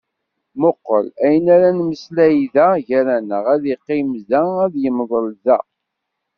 Muqel! Ayen ara nemmeslay da gar-aneɣ, ad yeqqim da, ad yemḍel da.